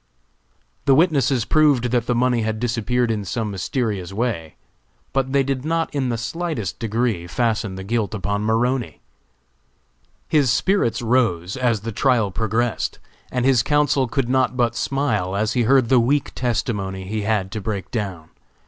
The witnesses proved that the money had disappeared in some mysterious way; but they did not in the slightest degree fasten the guilt upon Maroney. His spirits rose as the trial progressed, and his counsel could not but smile as he heard the weak testimony he had to break down.